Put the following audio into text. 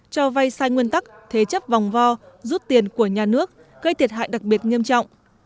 cho vay sai nguyên tắc thế chấp vòng vo rút tiền của nhà nước gây thiệt hại đặc biệt nghiêm trọng